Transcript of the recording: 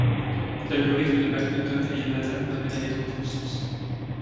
L'algorithme de McNaughton et Yamada permet d'aller dans l'autre sens.